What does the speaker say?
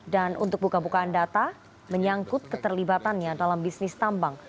dan untuk buka bukaan data menyangkut keterlibatannya dalam bisnis tambang